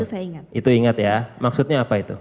saya ingat itu ingat ya maksudnya apa itu